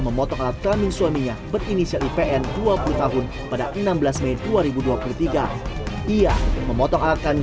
memotong alat kambing suaminya berinisial ipn dua puluh tahun pada enam belas mei dua ribu dua puluh tiga ia memotong alat kambing